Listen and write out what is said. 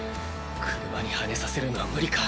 車にはねさせるのは無理か。